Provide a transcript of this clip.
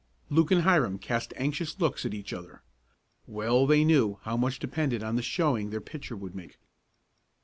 Luke and Hiram cast anxious looks at each other. Well they knew how much depended on the showing their pitcher would make.